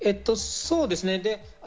そうですね。